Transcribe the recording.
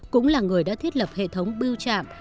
cũng là người đã thiết lập hệ thống biêu chạm